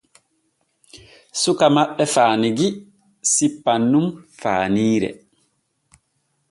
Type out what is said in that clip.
Suka maɓɓe faanigi sippan nun faaniire.